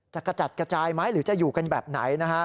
กระจัดกระจายไหมหรือจะอยู่กันแบบไหนนะฮะ